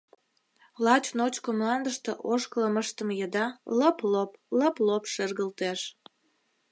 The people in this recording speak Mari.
Лач ночко мландыште ошкылым ыштыме еда лып-лоп, лып-лоп шергылтеш.